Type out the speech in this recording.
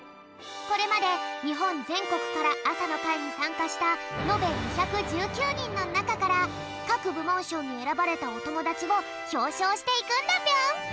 これまでにほんぜんこくからあさのかいにさんかしたのべ２１９にんのなかからかくぶもんしょうにえらばれたおともだちをひょうしょうしていくんだぴょん！